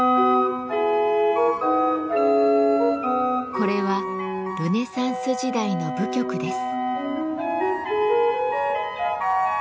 これはルネサンス時代の舞曲です。